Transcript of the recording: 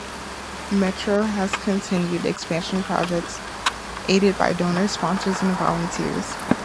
Metro has continued expansion projects, aided by donors, sponsors and volunteers.